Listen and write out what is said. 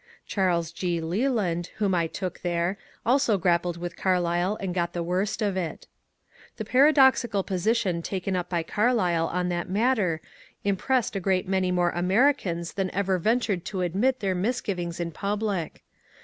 Charles G. Leland, whom I took there, also grappled with Carlyle and got the worst of it. The puadoxical position taken up by Carlyle on that mat ter impressed a great many more Americans than ever ven tured to admit their misgivings in public.